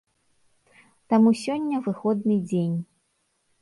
Таму сёння выходны дзень.